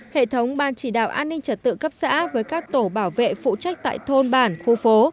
hệ thống ban chỉ đạo an ninh trật tự cấp xã với các tổ bảo vệ phụ trách tại thôn bản khu phố